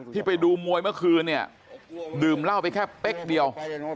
ที่ไปดูมวยเมื่อคืนเนี่ยดื่มเหล้าไปแค่เป๊กเดียว